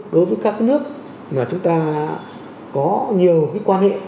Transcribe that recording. đối với các nước mà chúng ta có nhiều quan hệ